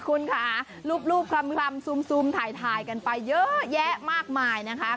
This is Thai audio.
คุณค่ะรูปคลำซูมถ่ายกันไปเยอะแยะมากมายนะคะ